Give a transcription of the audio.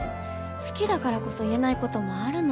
好きだからこそ言えない事もあるの。